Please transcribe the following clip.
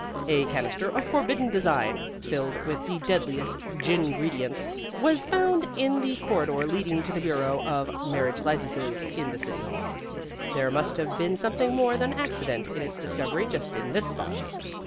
A canister of forbidden design, filled with the deadliest gingredients, was found in the corridor leading to the bureau of marriage licenses in the City Hall. There must have been something more than accident in its discovery just in this spot.